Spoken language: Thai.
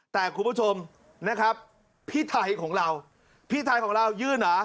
แต่คุณผู้ชมนะครับพี่ไทยของเราพี่ไทยของเรายื่นเหรอ